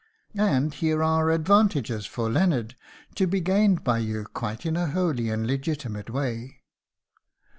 And here are advantages for Leonard, to be gained by you quite in a holy and legitimate way."